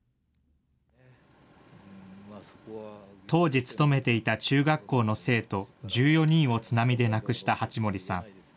当時勤めていた中学校の生徒１４人を津波で亡くした八森さん。